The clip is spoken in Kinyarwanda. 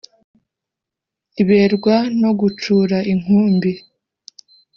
Iberwa no gucura inkumbi